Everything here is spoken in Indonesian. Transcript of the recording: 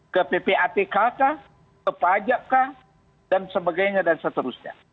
ke ppatk ke pajak dan sebagainya dan seterusnya